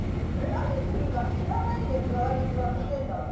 何するか知らないでガールズは来てんだから。